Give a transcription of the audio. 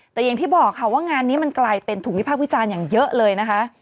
แต่อย่างที่บอกค่ะว่างานนี้มันกลายเป็นถูกวิพากษ์วิจารณ์อย่างเยอะเลยนะคะ